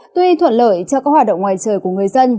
tuy thuận lợi cho các hoạt động ngoài trời của người dân